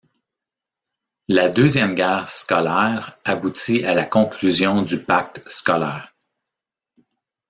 La deuxième guerre scolaire aboutit à la conclusion du pacte scolaire.